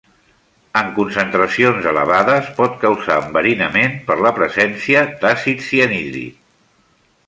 En concentracions elevades, pot causar enverinament per la presència d'àcid cianhídric.